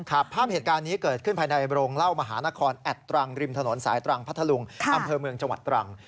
ภาพเหตุการณ์นี้เกิดขึ้นภายในโรงเล่ามหานครแอดตรังริมถนนสายตรังพัทธลุงอำเภอเมืองจังหวัดตรัง